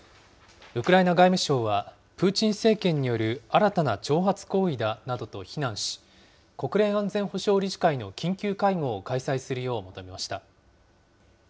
ウクライナ外務省は、プーチン政権による新たな挑発行為だなどと非難し、国連安全保障理事会の緊急会合を開催するよう求めました。